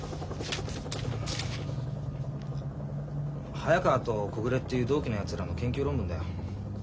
早川と小暮っていう同期のやつらの研究論文だよ。